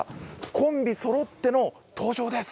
コンビそろっての登場です！